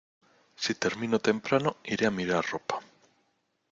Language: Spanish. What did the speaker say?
Si termino temprano, iré a mirar ropa.